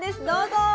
どうぞ。